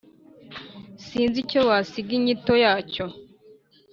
Sinzi icyo wasiga inyito yacyo